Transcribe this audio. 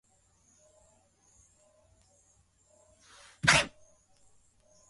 mazungumzo kati ya wawakilishi wa Saudi Arabia na